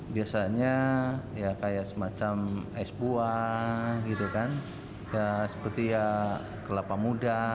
biasanya kayak semacam es buah seperti kelapa muda